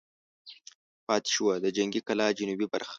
پاتې شوه د جنګي کلا جنوبي برخه.